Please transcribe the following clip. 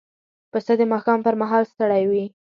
پسه د ماښام پر مهال ستړی وي.